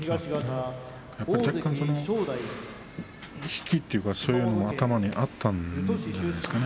若干、引きというのが頭にあったんじゃないですかね。